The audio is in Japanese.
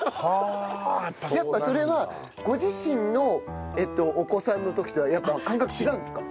やっぱそれはご自身のお子さんの時とはやっぱ感覚違うんですか？